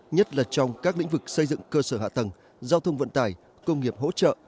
nhất là trong các lĩnh vực xây dựng cơ sở hạ tầng giao thông vận tải công nghiệp hỗ trợ